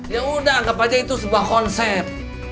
ya udah anggap aja itu sebuah konsep